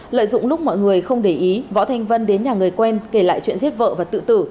lợi dụng lúc mọi người không để ý võ thanh vân đến nhà người quen kể lại chuyện giết vợ và tự tử